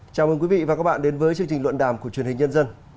chào mừng quý vị và các bạn đến với chương trình luận đàm của truyền hình nhân dân